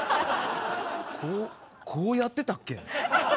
こうこうやってたっけ？